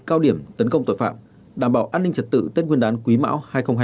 cao điểm tấn công tội phạm đảm bảo an ninh trật tự tết nguyên đán quý mão hai nghìn hai mươi bốn